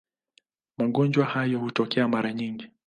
Magonjwa hayo hutokea mara nyingi.